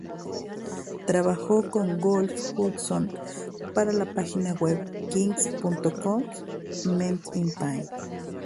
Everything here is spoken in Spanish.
Trabajó con Wolf Hudson para la página web kink.com's "Men In Pain".